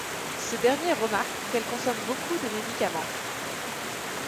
Ce dernier remarque qu'elle consomme beaucoup de médicament.